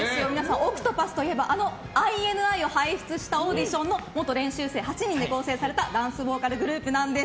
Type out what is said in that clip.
ＯＣＴＰＡＴＨといえばあのＩＮＩを輩出したオーディション番組で選ばれた８人組のダンスボーカルグループなんです。